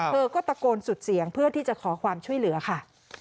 เธอก็ตะโกนสุดเสียงเพื่อที่จะขอความช่วยเหลือค่ะ